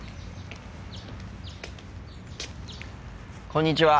こんにちは。